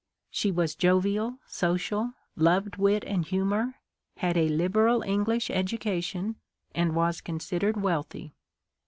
She was jovial, social, loved wit and humor, had a liberal English educa tion, and was considered wealthy.